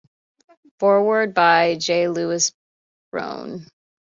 Foreword by J. Lewis Browne.